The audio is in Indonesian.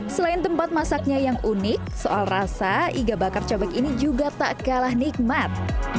selain tempat masaknya yang unik soal rasa iga bakar cobek ini juga tak kalah nikmat